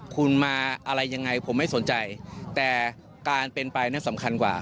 คุณมาอะไรยังไงผมไม่สนใจแต่การเป็นไปนั่นสำคัญกว่า